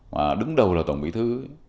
mà đứng đầu là tổng bí thư